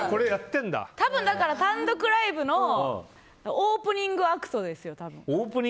多分、単独ライブのオープニングアクトですよ。